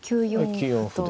９四歩で。